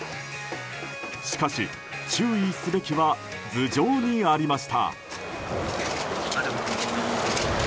しかし、注意すべきは頭上にありました。